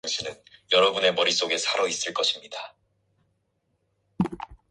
그리하여 그와 내가 그 예배당에서 만나기 전 해 여름 어떤 날